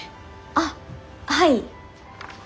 あっはい。